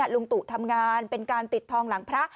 ลุงตู่ทำงานเป็นการติดทองหลังพระ